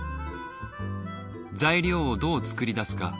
材料をどう作り出すか。